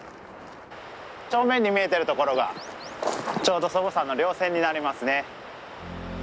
正面に見えてるところがちょうど祖母山の稜線になりますね。